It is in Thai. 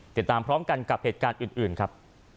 ติดตามพร้อมกันกับเหตุการณ์อื่นครับ